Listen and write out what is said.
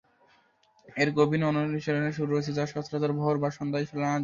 এর গভীর অনুরণনীয় সুর রয়েছে যা সচরাচর ভোর ও সন্ধ্যাবেলায় শোনা যেতে পারে।